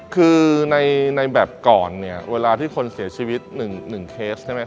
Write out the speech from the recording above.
คือในแบบก่อนเวลาที่คนเสียชีวิต๑เคส